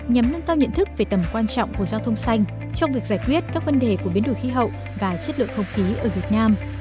nhằm nâng cao nhận thức về tầm quan trọng của giao thông xanh trong việc giải quyết các vấn đề của biến đổi khí hậu và chất lượng không khí ở việt nam